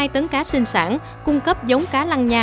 hai tấn cá sinh sản cung cấp giống cá lăng nha